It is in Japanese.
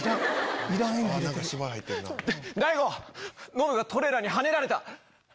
ノブがトレーラーにはねられた！